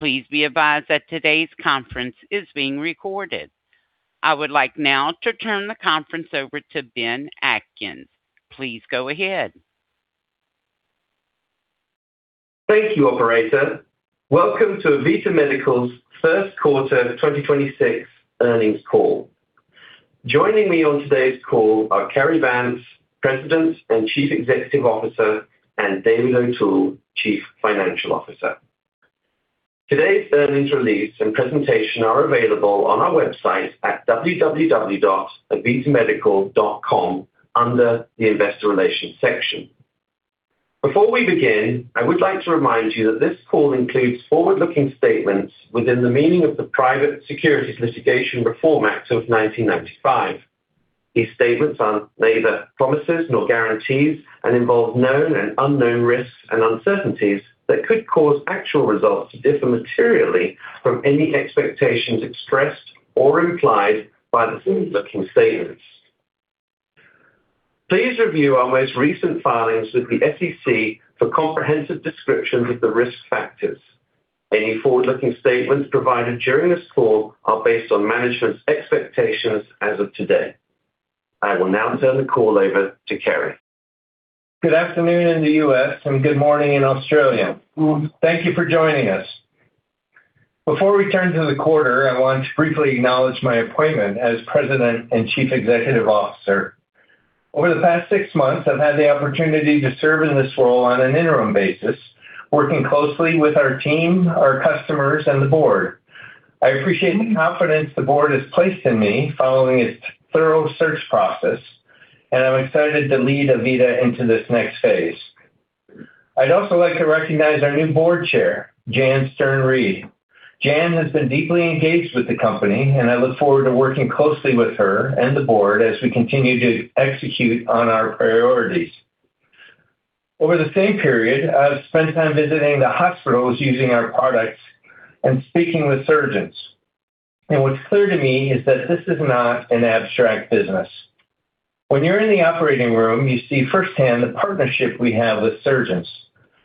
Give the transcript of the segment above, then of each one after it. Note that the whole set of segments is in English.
Please be advised that today's conference is being recorded. I would like now to turn the conference over to Ben Atkins. Please go ahead. Thank you, operator. Welcome to AVITA Medical's first quarter 2026 earnings call. Joining me on today's call are Cary Vance, President and Chief Executive Officer, and David O'Toole, Chief Financial Officer. Today's earnings release and presentation are available on our website at www.avitamedical.com under the Investor Relations section. Before we begin, I would like to remind you that this call includes forward-looking statements within the meaning of the Private Securities Litigation Reform Act of 1995. These statements are neither promises nor guarantees and involve known and unknown risks and uncertainties that could cause actual results to differ materially from any expectations expressed or implied by the forward-looking statements. Please review our most recent filings with the SEC for comprehensive description of the risk factors. Any forward-looking statements provided during this call are based on management's expectations as of today. I will now turn the call over to Cary. Good afternoon in the U.S. and good morning in Australia. Thank you for joining us. Before we turn to the quarter, I want to briefly acknowledge my appointment as President and Chief Executive Officer. Over the past six months, I've had the opportunity to serve in this role on an interim basis, working closely with our team, our customers, and the Board. I appreciate the confidence the Board has placed in me following its thorough search process, and I'm excited to lead AVITA into this next phase. I'd also like to recognize our new Board Chair, Jan Stern Reed. Jan has been deeply engaged with the company, and I look forward to working closely with her and the board as we continue to execute on our priorities. Over the same period, I've spent time visiting the hospitals using our products and speaking with surgeons. What's clear to me is that this is not an abstract business. When you're in the operating room, you see firsthand the partnership we have with surgeons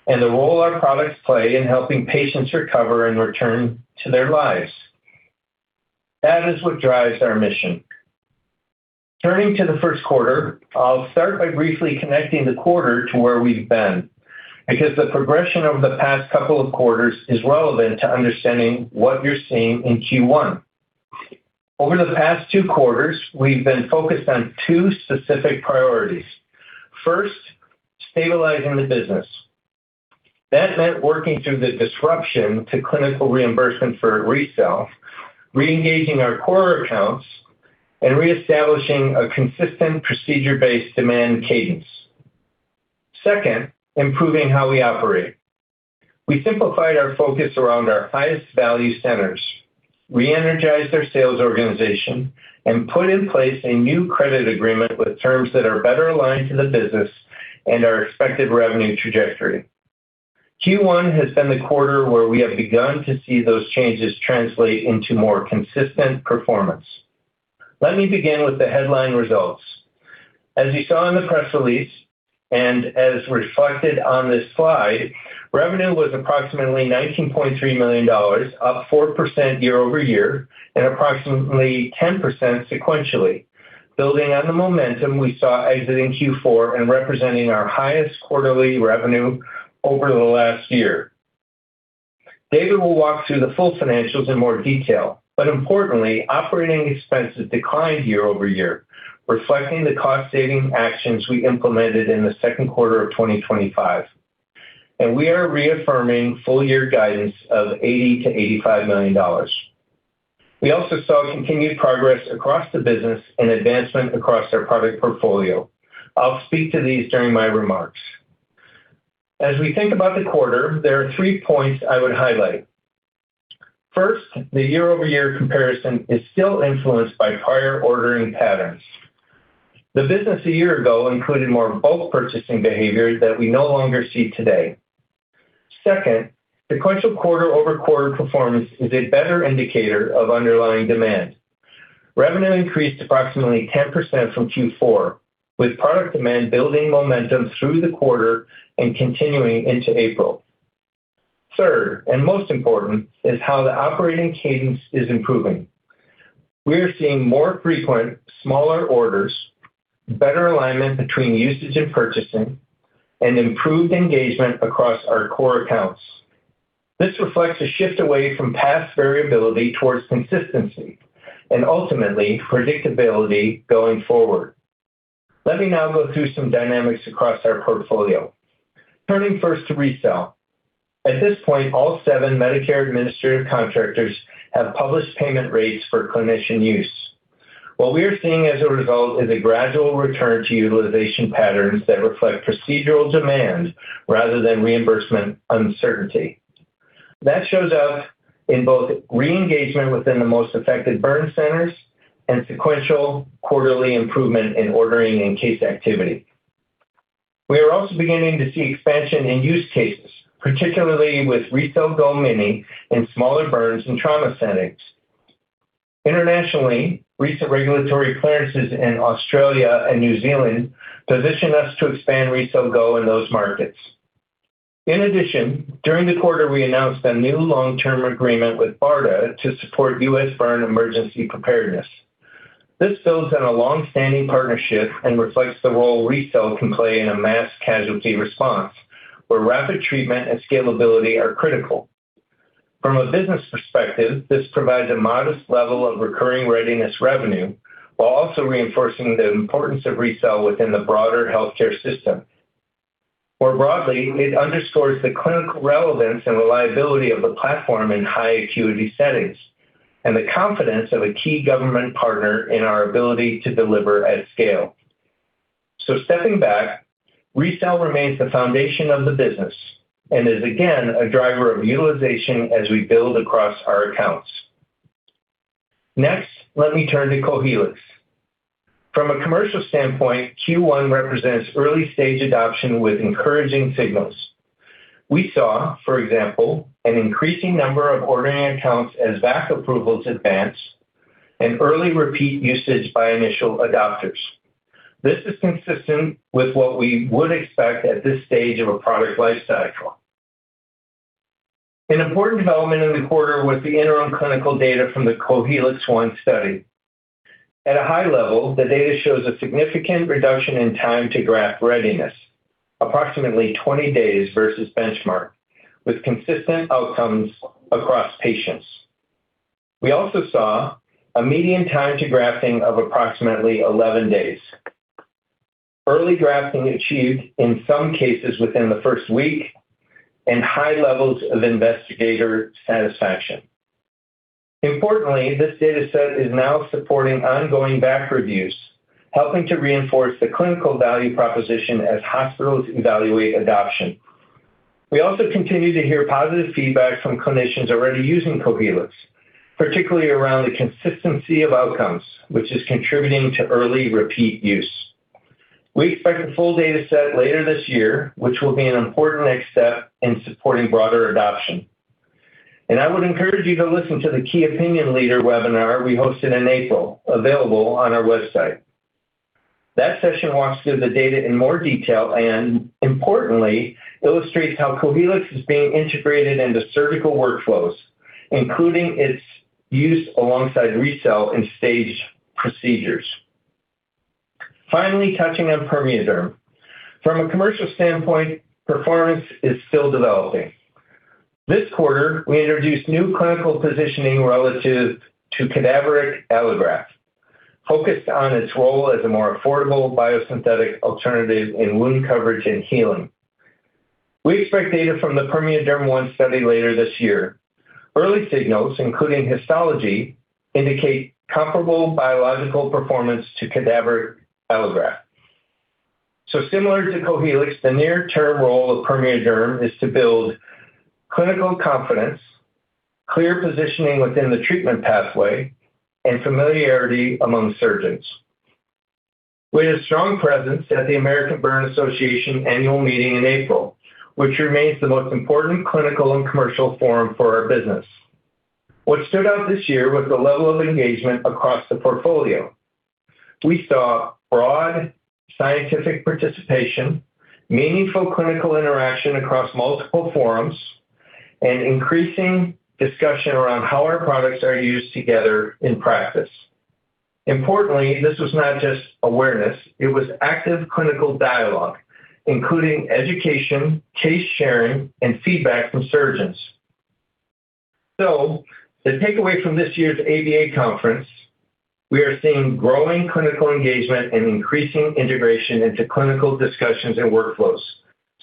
and the role our products play in helping patients recover and return to their lives. That is what drives our mission. Turning to the first quarter, I'll start by briefly connecting the quarter to where we've been because the progression over the past couple of quarters is relevant to understanding what you're seeing in Q1. Over the past two quarters, we've been focused on two specific priorities. First, stabilizing the business. That meant working through the disruption to clinical reimbursement for RECELL, re-engaging our core accounts, and reestablishing a consistent procedure-based demand cadence. Second, improving how we operate. We simplified our focus around our highest value centers, re-energized their sales organization, and put in place a new credit agreement with terms that are better aligned to the business and our expected revenue trajectory. Q1 has been the quarter where we have begun to see those changes translate into more consistent performance. Let me begin with the headline results. As you saw in the press release, and as reflected on this slide, revenue was approximately $19.3 million, up 4% year-over-year and approximately 10% sequentially, building on the momentum we saw exiting Q4 and representing our highest quarterly revenue over the last year. David will walk through the full financials in more detail, but importantly, operating expenses declined year-over-year, reflecting the cost-saving actions we implemented in the second quarter of 2025. We are reaffirming full year guidance of $80 million-$85 million. We also saw continued progress across the business and advancement across our product portfolio. I'll speak to these during my remarks. As we think about the quarter, there are three points I would highlight. First, the year-over-year comparison is still influenced by prior ordering patterns. The business a year ago included more bulk purchasing behavior that we no longer see today. Second, sequential quarter-over-quarter performance is a better indicator of underlying demand. Revenue increased approximately 10% from Q4, with product demand building momentum through the quarter and continuing into April. Third, and most important, is how the operating cadence is improving. We're seeing more frequent, smaller orders, better alignment between usage and purchasing, and improved engagement across our core accounts. This reflects a shift away from past variability towards consistency and ultimately predictability going forward. Let me now go through some dynamics across our portfolio. Turning first to RECELL. At this point, all seven Medicare Administrative Contractors have published payment rates for clinician use. What we are seeing as a result is a gradual return to utilization patterns that reflect procedural demand rather than reimbursement uncertainty. That shows up in both re-engagement within the most affected burn centers and sequential quarterly improvement in ordering and case activity. We are also beginning to see expansion in use cases, particularly with RECELL GO mini in smaller burns and trauma settings. Internationally, recent regulatory clearances in Australia and New Zealand position us to expand RECELL GO in those markets. In addition, during the quarter, we announced a new long-term agreement with BARDA to support U.S. burn emergency preparedness. This builds on a long-standing partnership and reflects the role RECELL can play in a mass casualty response, where rapid treatment and scalability are critical. From a business perspective, this provides a modest level of recurring readiness revenue while also reinforcing the importance of RECELL within the broader healthcare system. More broadly, it underscores the clinical relevance and reliability of the platform in high acuity settings and the confidence of a key government partner in our ability to deliver at scale. Stepping back, RECELL remains the foundation of the business and is again a driver of utilization as we build across our accounts. Next, let me turn to Cohealyx. From a commercial standpoint, Q1 represents early-stage adoption with encouraging signals. We saw, for example, an increasing number of ordering accounts as VAC approvals advance and early repeat usage by initial adopters. This is consistent with what we would expect at this stage of a product life cycle. An important development in the quarter was the interim clinical data from the Cohealyx I study. At a high level, the data shows a significant reduction in time to graft readiness, approximately 20 days versus benchmark, with consistent outcomes across patients. We also saw a median time to grafting of approximately 11 days. Early grafting achieved in some cases within the first week and high levels of investigator satisfaction. Importantly, this data set is now supporting ongoing VAC reviews, helping to reinforce the clinical value proposition as hospitals evaluate adoption. We also continue to hear positive feedback from clinicians already using Cohealyx, particularly around the consistency of outcomes, which is contributing to early repeat use. We expect the full data set later this year, which will be an important next step in supporting broader adoption. I would encourage you to listen to the key opinion leader webinar we hosted in April, available on our website. That session walks through the data in more detail and importantly, illustrates how Cohealyx is being integrated into surgical workflows, including its use alongside RECELL in stage procedures. Finally, touching on PermeaDerm. From a commercial standpoint, performance is still developing. This quarter, we introduced new clinical positioning relative to cadaveric allograft, focused on its role as a more affordable biosynthetic alternative in wound coverage and healing. We expect data from the PermeaDerm one study later this year. Early signals, including histology, indicate comparable biological performance to cadaver allograft. Similar to Cohealyx, the near-term role of PermeaDerm is to build clinical confidence, clear positioning within the treatment pathway, and familiarity among surgeons. We had a strong presence at the American Burn Association annual meeting in April, which remains the most important clinical and commercial forum for our business. What stood out this year was the level of engagement across the portfolio. We saw broad scientific participation, meaningful clinical interaction across multiple forums, and increasing discussion around how our products are used together in practice. Importantly, this was not just awareness, it was active clinical dialogue, including education, case sharing, and feedback from surgeons. The takeaway from this year's ABA conference, we are seeing growing clinical engagement and increasing integration into clinical discussions and workflows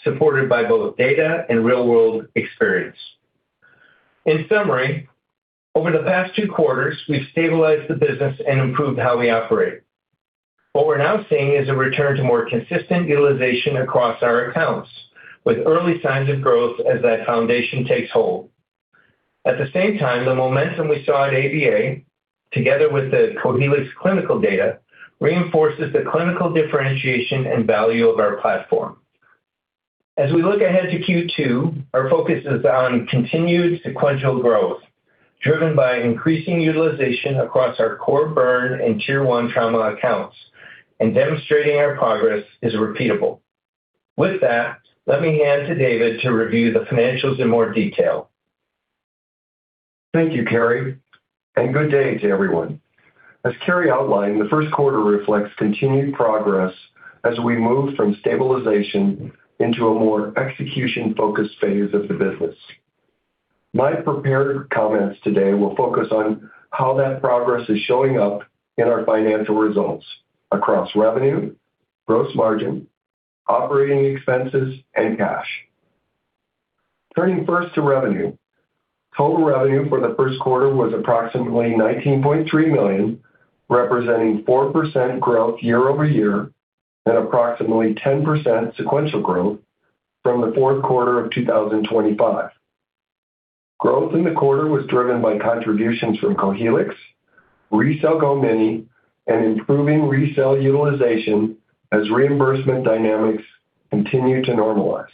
supported by both data and real-world experience. In summary, over the past two quarters, we've stabilized the business and improved how we operate. What we're now seeing is a return to more consistent utilization across our accounts, with early signs of growth as that foundation takes hold. At the same time, the momentum we saw at ABA, together with the Cohealyx clinical data, reinforces the clinical differentiation and value of our platform. As we look ahead to Q2, our focus is on continued sequential growth, driven by increasing utilization across our core burn and tier one trauma accounts and demonstrating our progress is repeatable. With that, let me hand to David to review the financials in more detail. Thank you, Cary, good day to everyone. As Cary outlined, the first quarter reflects continued progress as we move from stabilization into a more execution-focused phase of the business. My prepared comments today will focus on how that progress is showing up in our financial results across revenue, gross margin, operating expenses, and cash. Turning first to revenue. Total revenue for the first quarter was approximately $19.3 million, representing 4% growth year-over-year and approximately 10% sequential growth from the fourth quarter of 2025. Growth in the quarter was driven by contributions from Cohealyx, RECELL GO mini, and improving RECELL utilization as reimbursement dynamics continue to normalize.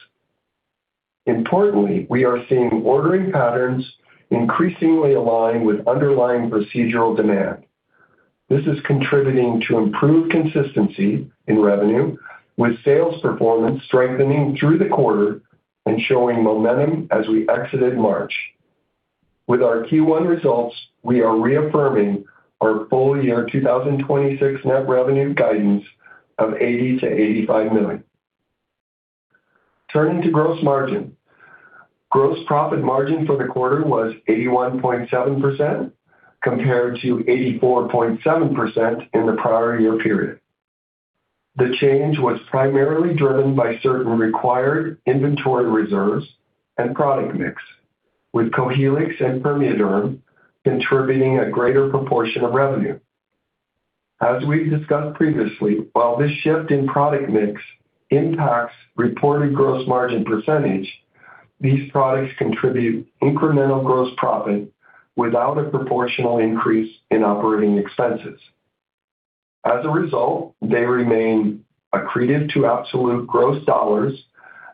Importantly, we are seeing ordering patterns increasingly align with underlying procedural demand. This is contributing to improved consistency in revenue, with sales performance strengthening through the quarter and showing momentum as we exited March. With our Q1 results, we are reaffirming our full year 2026 net revenue guidance of $80 million-$85 million. Turning to gross margin. Gross profit margin for the quarter was 81.7% compared to 84.7% in the prior year period. The change was primarily driven by certain required inventory reserves and product mix, with Cohealyx and PermeaDerm contributing a greater proportion of revenue. As we've discussed previously, while this shift in product mix impacts reported gross margin percentage, these products contribute incremental gross profit without a proportional increase in operating expenses. As a result, they remain accretive to absolute gross dollars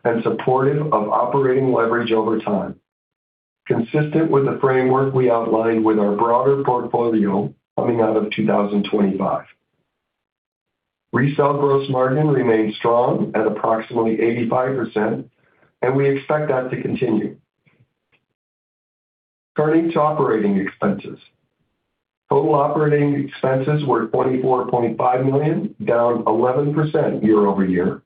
and supportive of operating leverage over time, consistent with the framework we outlined with our broader portfolio coming out of 2025. RECELL gross margin remains strong at approximately 85%, and we expect that to continue. Turning to operating expenses. Total operating expenses were $24.5 million, down 11% year-over-year.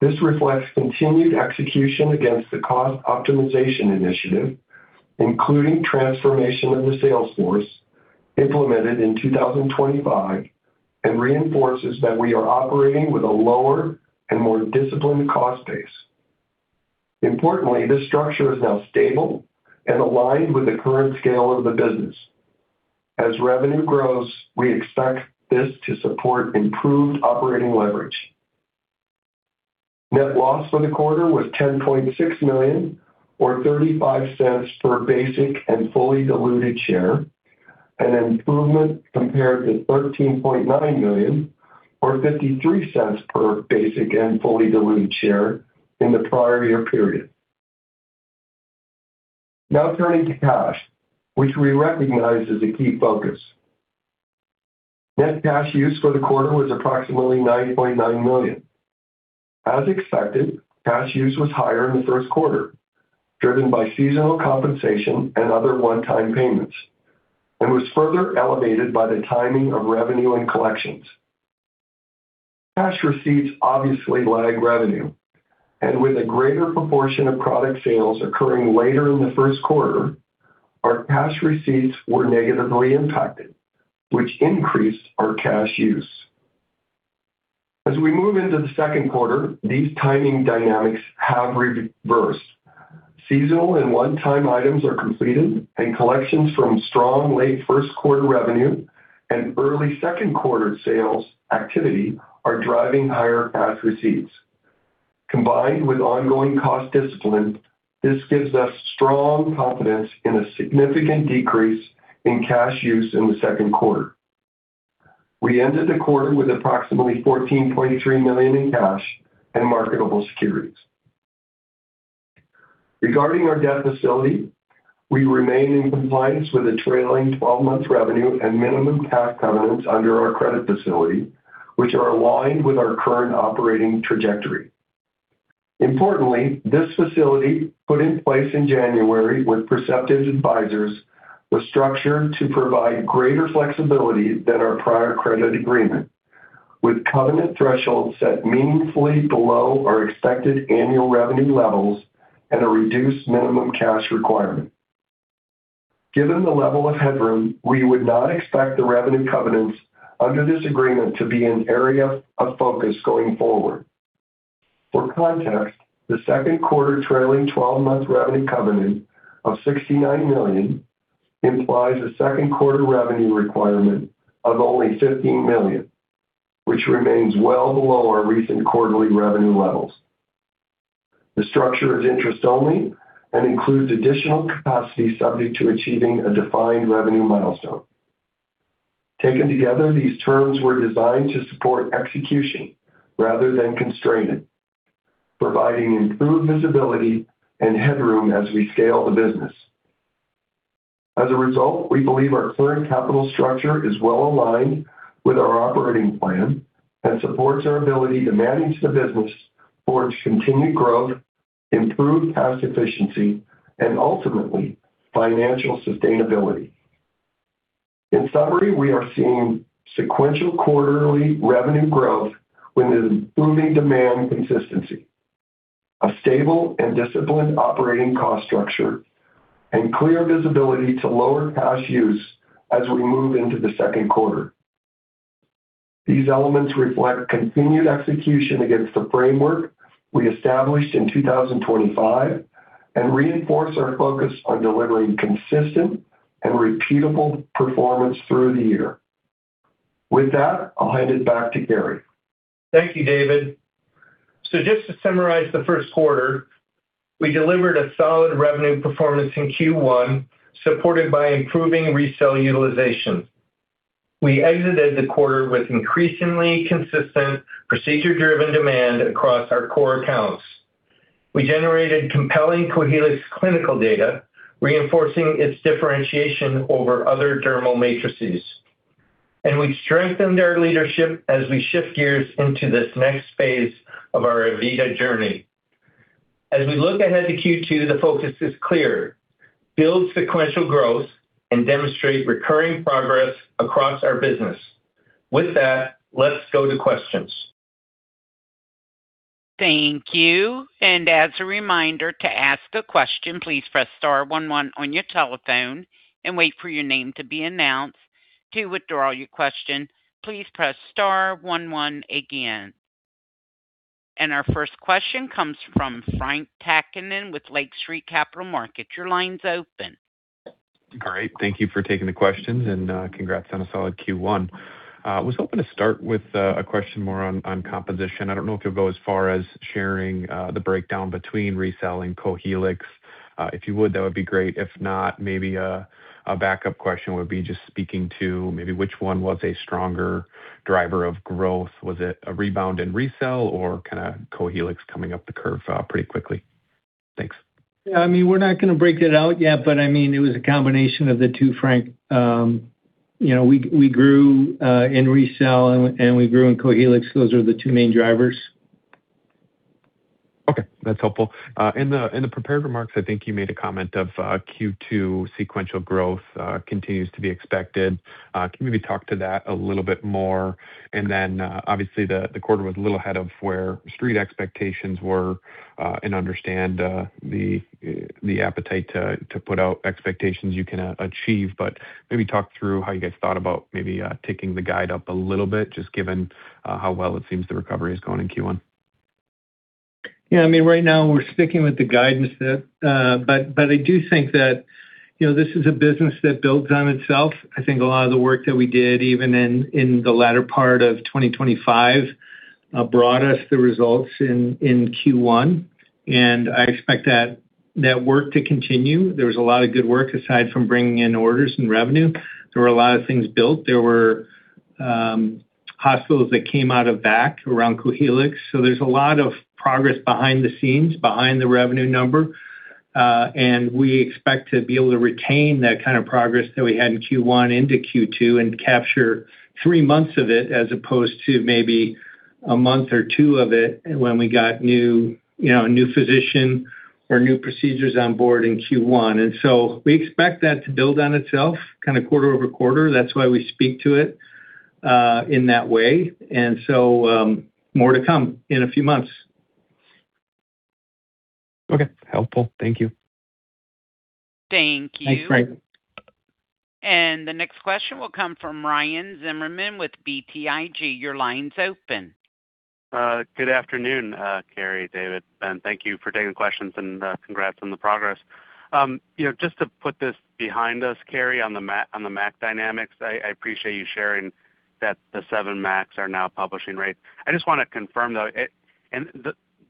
This reflects continued execution against the cost optimization initiative, including transformation of the sales force implemented in 2025, and reinforces that we are operating with a lower and more disciplined cost base. Importantly, this structure is now stable and aligned with the current scale of the business. As revenue grows, we expect this to support improved operating leverage. Net loss for the quarter was $10.6 million or $0.35 per basic and fully diluted share, an improvement compared to $13.9 million or $0.53 per basic and fully diluted share in the prior year period. Now turning to cash, which we recognize as a key focus. Net cash use for the quarter was approximately $9.9 million. As expected, cash use was higher in the first quarter, driven by seasonal compensation and other one-time payments, and was further elevated by the timing of revenue and collections. Cash receipts obviously lag revenue, and with a greater proportion of product sales occurring later in the first quarter, our cash receipts were negatively impacted, which increased our cash use. As we move into the second quarter, these timing dynamics have reversed. Seasonal and one-time items are completed, and collections from strong late first quarter revenue and early second quarter sales activity are driving higher cash receipts. Combined with ongoing cost discipline, this gives us strong confidence in a significant decrease in cash use in the second quarter. We ended the quarter with approximately $14.3 million in cash and marketable securities. Regarding our debt facility, we remain in compliance with the trailing 12-month revenue and minimum tax covenants under our credit facility, which are aligned with our current operating trajectory. Importantly, this facility put in place in January with Perceptive Advisors was structured to provide greater flexibility than our prior credit agreement, with covenant thresholds set meaningfully below our expected annual revenue levels and a reduced minimum cash requirement. Given the level of headroom, we would not expect the revenue covenants under this agreement to be an area of focus going forward. For context, the second quarter trailing 12-month revenue covenant of $69 million implies a second quarter revenue requirement of only $15 million, which remains well below our recent quarterly revenue levels. The structure is interest only and includes additional capacity subject to achieving a defined revenue milestone. Taken together, these terms were designed to support execution rather than constrain it, providing improved visibility and headroom as we scale the business. As a result, we believe our current capital structure is well aligned with our operating plan and supports our ability to manage the business towards continued growth, improved cost efficiency, and ultimately financial sustainability. In summary, we are seeing sequential quarterly revenue growth with improving demand consistency, a stable and disciplined operating cost structure, and clear visibility to lower cash use as we move into the second quarter. These elements reflect continued execution against the framework we established in 2025 and reinforce our focus on delivering consistent and repeatable performance through the year. With that, I'll hand it back to Cary. Thank you, David. Just to summarize the first quarter, we delivered a solid revenue performance in Q1, supported by improving RECELL utilization. We exited the quarter with increasingly consistent procedure-driven demand across our core accounts. We generated compelling Cohealyx clinical data, reinforcing its differentiation over other dermal matrices. We strengthened our leadership as we shift gears into this next phase of our AVITA journey. As we look ahead to Q2, the focus is clear: build sequential growth and demonstrate recurring progress across our business. With that, let's go to questions. Thank you. As a reminder to ask a question, please press star one one on your telephone and wait for your name to be announced. To withdraw your question, please press star one one again. Our first question comes from Frank Takkinen with Lake Street Capital Markets. Your line's open. Great. Thank you for taking the questions, congrats on a solid Q1. Was hoping to start with a question more on composition. I don't know if you'll go as far as sharing the breakdown between RECELL and Cohealyx. If you would, that would be great. If not, maybe a backup question would be just speaking to maybe which one was a stronger driver of growth. Was it a rebound in RECELL or kind of Cohealyx coming up the curve pretty quickly? Thanks. I mean, we're not gonna break it out yet, but I mean, it was a combination of the two, Frank. You know, we grew in RECELL and we grew in Cohealyx. Those are the two main drivers. Okay, that's helpful. In the prepared remarks, I think you made a comment of Q2 sequential growth continues to be expected. Can you maybe talk to that a little bit more? Obviously the quarter was a little ahead of where Street expectations were, and understand the appetite to put out expectations you can achieve. Maybe talk through how you guys thought about maybe taking the guide up a little bit, just given how well it seems the recovery is going in Q1. Yeah, I mean, right now we're sticking with the guidance. I do think that, you know, this is a business that builds on itself. I think a lot of the work that we did, even in the latter part of 2025, brought us the results in Q1, and I expect that work to continue. There was a lot of good work aside from bringing in orders and revenue. There were a lot of things built. There were hospitals that came out of back around Cohealyx. There's a lot of progress behind the scenes, behind the revenue number, and we expect to be able to retain that kind of progress that we had in Q1 into Q2 and capture three months of it as opposed to maybe a month or two of it when we got new, you know, a new physician or new procedures on board in Q1. We expect that to build on itself kind of quarter-over-quarter. That's why we speak to it in that way. More to come in a few months. Okay. Helpful. Thank you. Thank you. Thanks, Frank. The next question will come from Ryan Zimmerman with BTIG. Your line's open. Good afternoon, Cary, David, Ben. Thank you for taking questions and congrats on the progress. You know, just to put this behind us, Cary, on the MAC dynamics, I appreciate you sharing that the seven MACs are now publishing rates. I just wanna confirm, though,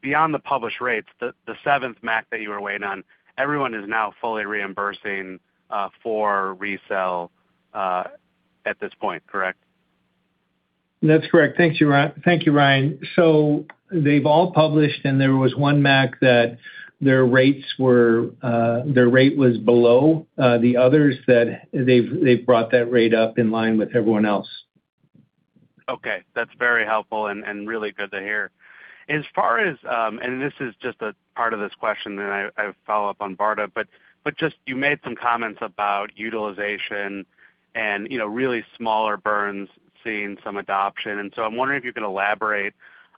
beyond the published rates, the seventh MAC that you were waiting on, everyone is now fully reimbursing for RECELL at this point, correct? That's correct. Thank you, Ryan. They've all published, and there was one MAC that their rates were, their rate was below, the others that they've brought that rate up in line with everyone else. Okay. That's very helpful and really good to hear. As far as, and this is just a part of this question. I follow up on BARDA. Just you made some comments about utilization and, you know, really smaller burns seeing some adoption. I'm wondering if you can elaborate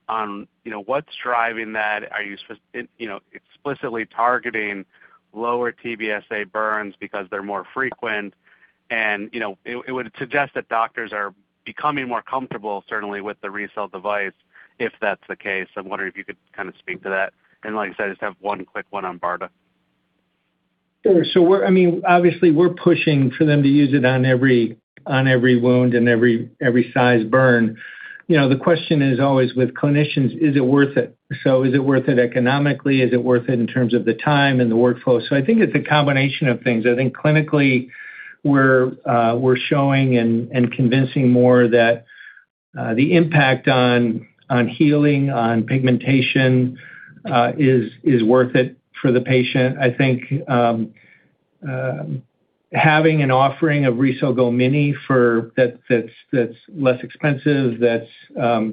on, you know, what's driving that? Are you explicitly targeting lower TBSA burns because they're more frequent? You know, it would suggest that doctors are becoming more comfortable certainly with the RECELL device if that's the case. I'm wondering if you could kinda speak to that. Like I said, I just have one quick one on BARDA. Sure. I mean, obviously, we're pushing for them to use it on every wound and every size burn. You know, the question is always with clinicians, is it worth it? Is it worth it economically? Is it worth it in terms of the time and the workflow? I think it's a combination of things. I think clinically we're showing and convincing more that the impact on healing, on pigmentation, is worth it for the patient. I think having an offering of RECELL GO mini that's less expensive, that's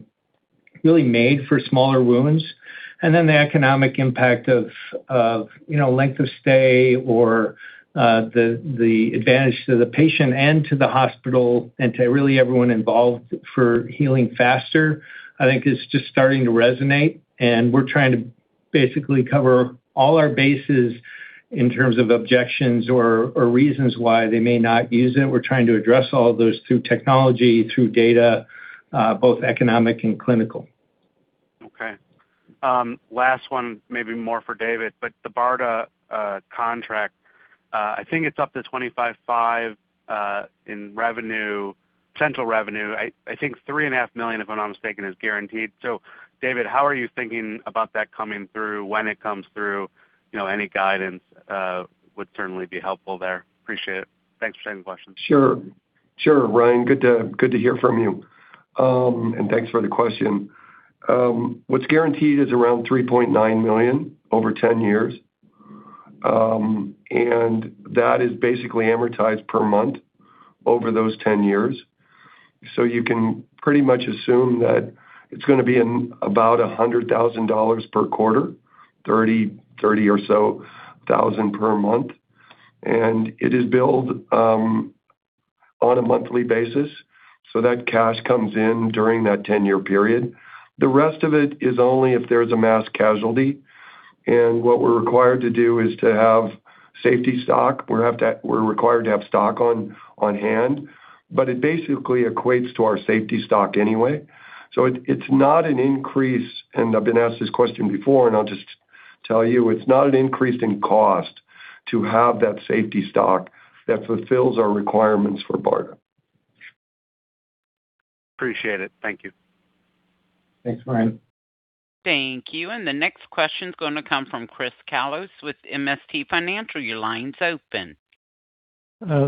really made for smaller wounds. The economic impact of, you know, length of stay or the advantage to the patient and to the hospital and to really everyone involved for healing faster, I think is just starting to resonate. We're trying to basically cover all our bases in terms of objections or reasons why they may not use it. We're trying to address all of those through technology, through data, both economic and clinical. Okay. Last one, maybe more for David. The BARDA contract, I think it's up to $25.5 million in revenue, central revenue. I think $ 3.5 million, if I'm not mistaken, is guaranteed. David, how are you thinking about that coming through, when it comes through? You know, any guidance would certainly be helpful there. Appreciate it. Thanks for taking the questions. Sure. Sure, Ryan. Good to hear from you, and thanks for the question. What's guaranteed is around $3.9 million over 10 years. That is basically amortized per month over those 10 years. You can pretty much assume that it's gonna be in about $100,000 per quarter, $30,000 or so per month. It is billed on a monthly basis, so that cash comes in during that 10-year period. The rest of it is only if there's a mass casualty. What we're required to do is to have safety stock. We're required to have stock on hand, but it basically equates to our safety stock anyway. It's not an increase, and I've been asked this question before, and I'll just tell you, it's not an increase in cost to have that safety stock that fulfills our requirements for BARDA. Appreciate it. Thank you. Thanks, Ryan. Thank you. The next question is gonna come from Chris Kallos with MST Financial. Your line's open.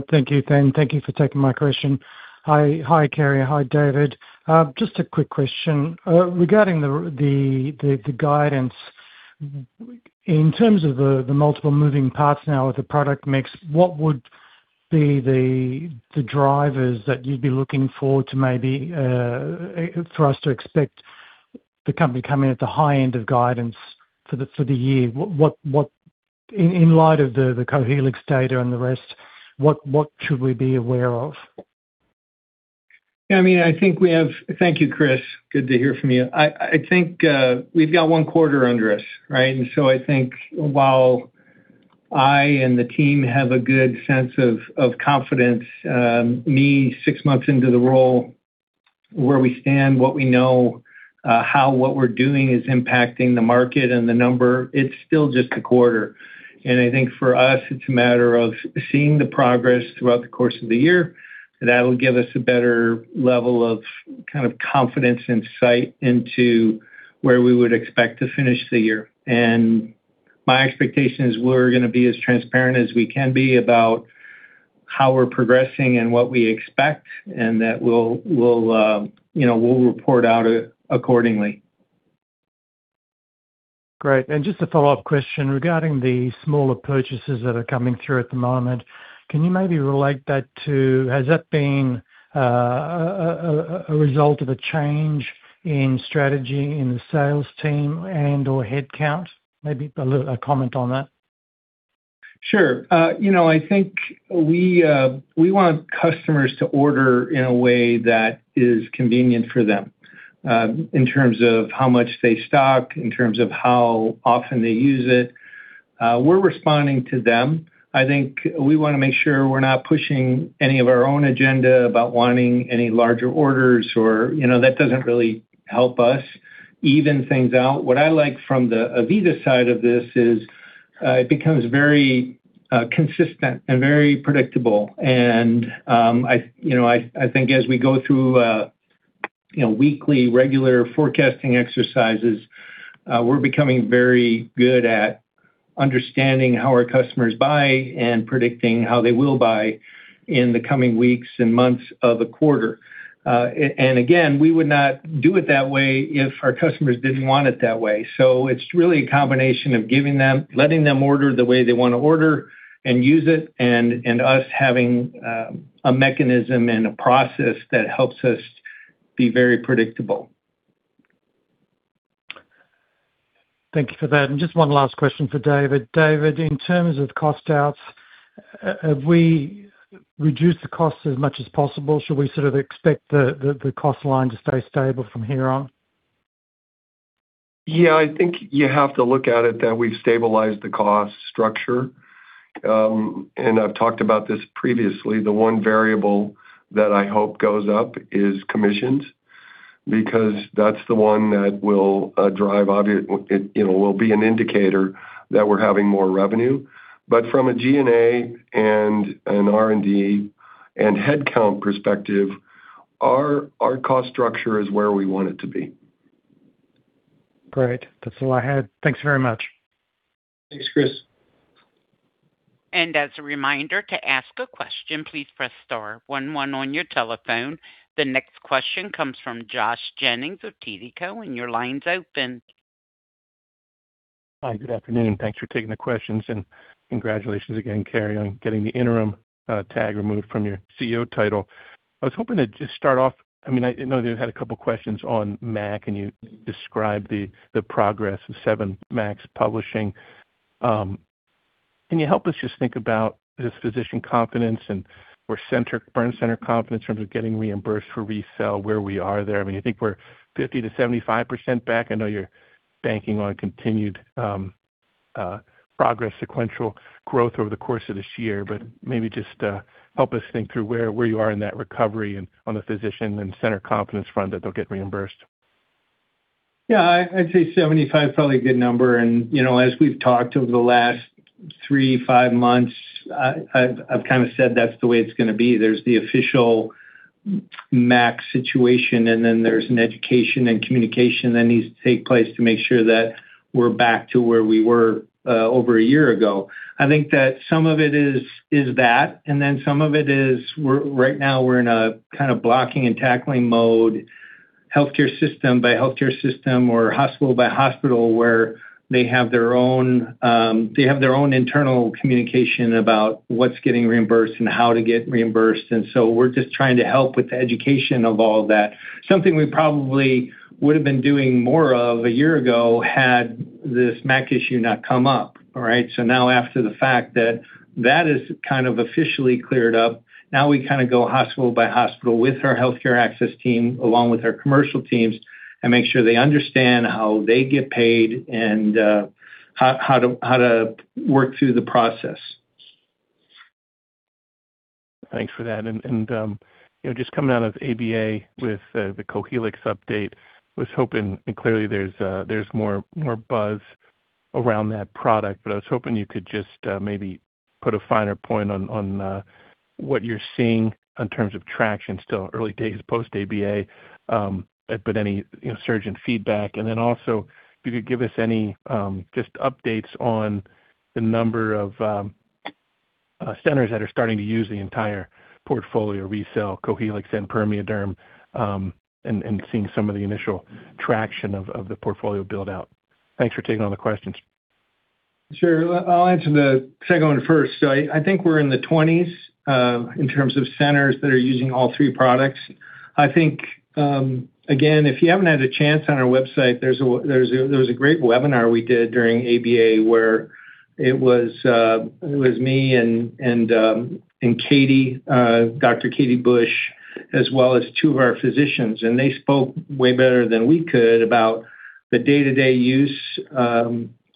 Thank you, Pam. Thank you for taking my question. Hi. Hi, Cary. Hi, David. Just a quick question. Regarding the guidance, in terms of the multiple moving parts now with the product mix, what would be the drivers that you'd be looking for to maybe for us to expect the company coming at the high end of guidance for the year? What, in light of the Cohealyx data and the rest, what should we be aware of? Yeah, I mean, I think we have thank you, Chris. Good to hear from you. I think we've got one quarter under us, right? I think while I and the team have a good sense of confidence, me, six months into the role, where we stand, what we know, how what we're doing is impacting the market and the number, it's still just a quarter. I think for us, it's a matter of seeing the progress throughout the course of the year. That'll give us a better level of kind of confidence and insight into where we would expect to finish the year. My expectation is we're gonna be as transparent as we can be about how we're progressing and what we expect, and that we'll, you know, we'll report out accordingly. Great. Just a follow-up question regarding the smaller purchases that are coming through at the moment. Can you maybe relate that to has that been a result of a change in strategy in the sales team and/or headcount? Maybe a comment on that. Sure. You know, I think we want customers to order in a way that is convenient for them, in terms of how much they stock, in terms of how often they use it. We're responding to them. I think we wanna make sure we're not pushing any of our own agenda about wanting any larger orders or, you know, that doesn't really help us even things out. What I like from the AVITA side of this is, it becomes very consistent and very predictable. I, you know, I think as we go through, you know, weekly regular forecasting exercises, we're becoming very good at understanding how our customers buy and predicting how they will buy in the coming weeks and months of a quarter. Again, we would not do it that way if our customers didn't want it that way. It's really a combination of letting them order the way they wanna order and use it, and us having a mechanism and a process that helps us be very predictable. Thank you for that. Just one last question for David. David, in terms of cost outs, have we reduced the cost as much as possible? Should we sort of expect the cost line to stay stable from here on? Yeah. I think you have to look at it that we've stabilized the cost structure. I've talked about this previously. The one variable that I hope goes up is commissions, because that's the one that will drive, it will be an indicator that we're having more revenue. From a G&A and an R&D and headcount perspective, our cost structure is where we want it to be. Great. That's all I had. Thanks very much. Thanks, Chris. As a reminder, to ask a question, please press star one one on your telephone. The next question comes from Josh Jennings of TD Cowen, and your line's open. Hi, good afternoon. Thanks for taking the questions. Congratulations again, Cary, on getting the interim tag removed from your CEO title. I was hoping to just start off. I know you've had a couple of questions on MACs. You described the progress of seven MACs publishing. Can you help us just think about this physician confidence and or burn center confidence in terms of getting reimbursed for RECELL, where we are there? I think we're 50%-75% back. I know you're banking on continued progress, sequential growth over the course of this year. Maybe just help us think through where you are in that recovery and on the physician and center confidence front that they'll get reimbursed. Yeah, I'd say 75%, probably a good number. You know, as we've talked over the last three, five months, I've kind of said that's the way it's going to be. There's the official MAC situation, and then there's an education and communication that needs to take place to make sure that we're back to where we were over a year ago. I think that some of it is that, and then some of it is right now we're in a kind of blocking and tackling mode. Healthcare system by healthcare system or hospital by hospital where they have their own, they have their own internal communication about what's getting reimbursed and how to get reimbursed. We're just trying to help with the education of all that. Something we probably would have been doing more of a year ago had this MAC issue not come up, all right? Now after the fact that that is kind of officially cleared up, now we kinda go hospital by hospital with our healthcare access team, along with our commercial teams, and make sure they understand how they get paid and how to work through the process. Thanks for that. You know, just coming out of ABA with the Cohealyx update, I was hoping and clearly there's more buzz around that product, but I was hoping you could just maybe put a finer point on what you're seeing in terms of traction. Still early days post-ABA, but any, you know, surgeon feedback. Also if you could give us any just updates on the number of centers that are starting to use the entire portfolio of RECELL, Cohealyx and PermeaDerm, and seeing some of the initial traction of the portfolio build-out. Thanks for taking all the questions. Sure. I'll answer the second one first. I think we're in the 20s in terms of centers that are using all three products. I think, again, if you haven't had a chance on our website, there was a great webinar we did during ABA where it was me and Dr. Katie Bush, as well as two of our physicians, and they spoke way better than we could about the day-to-day use,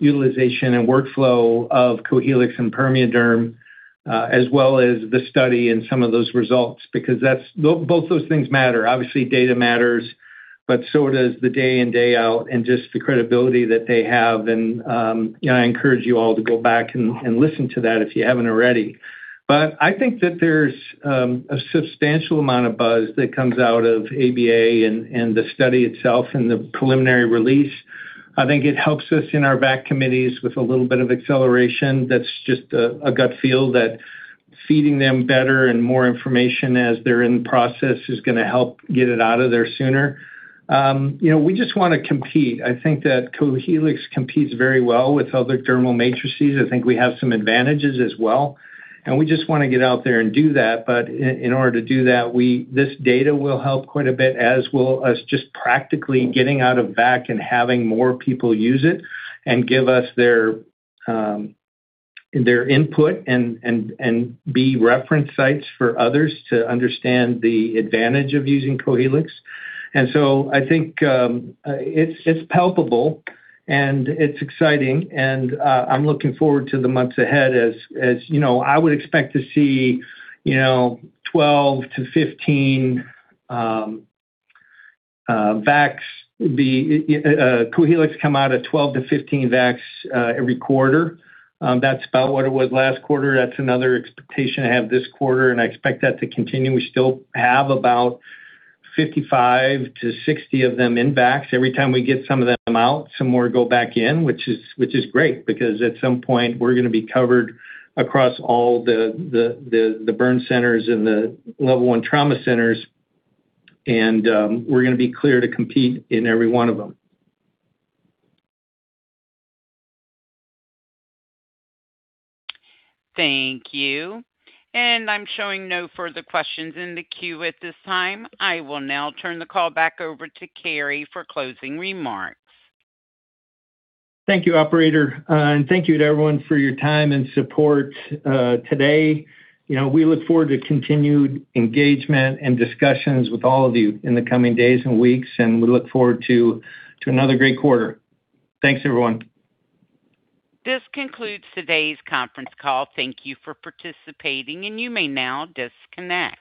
utilization and workflow of Cohealyx and PermeaDerm, as well as the study and some of those results, because both those things matter. Obviously, data matters, but so does the day in, day out and just the credibility that they have. You know, I encourage you all to go back and listen to that if you haven't already. I think that there's a substantial amount of buzz that comes out of ABA and the study itself and the preliminary release. I think it helps us in our VAC committees with a little bit of acceleration. That's just a gut feel that feeding them better and more information as they're in process is gonna help get it out of there sooner. You know, we just wanna compete. I think that Cohealyx competes very well with other dermal matrices. I think we have some advantages as well. We just wanna get out there and do that. In order to do that, this data will help quite a bit, as will us just practically getting out of VAC and having more people use it and give us their input and, and be reference sites for others to understand the advantage of using Cohealyx. I think it's palpable and it's exciting and I'm looking forward to the months ahead. As you know, I would expect to see, you know, 12-15 VACs be Cohealyx come out of 12-15 VACs every quarter. That's about what it was last quarter. That's another expectation I have this quarter, and I expect that to continue. We still have about 55-60 of them in VACs. Every time we get some of them out, some more go back in, which is great because at some point we're gonna be covered across all the burn centers and the level one trauma centers, and we're gonna be clear to compete in every one of them. Thank you. I'm showing no further questions in the queue at this time. I will now turn the call back over to Cary for closing remarks. Thank you, operator, and thank you to everyone for your time and support, today. You know, we look forward to continued engagement and discussions with all of you in the coming days and weeks, and we look forward to another great quarter. Thanks, everyone. This concludes today's conference call. Thank you for participating and you may now disconnect.